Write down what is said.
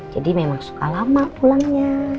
jadi memang suka lama pulangnya